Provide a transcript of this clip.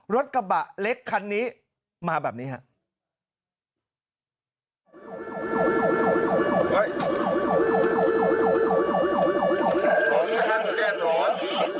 รถกระบะเล็กคันนี้มาแบบนี้ครับ